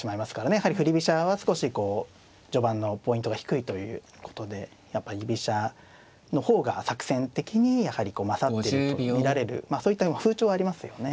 やはり振り飛車は少しこう序盤のポイントが低いということでやっぱ居飛車の方が作戦的にやはりこう勝ってると見られるそういった今風潮はありますよね。